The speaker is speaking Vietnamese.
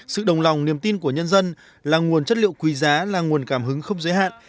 sự đồng lòng niềm tin của nhân dân là nguồn chất liệu quý giá là nguồn cảm hứng không giới hạn